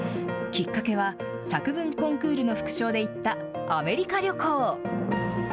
きっかけは、作文コンクールの副賞で行った、アメリカ旅行。